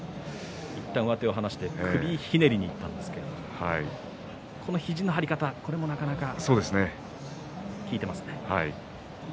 いったん上手を離して首ひねりにいったんですけどこの肘の張り方もなかなか効いていますね。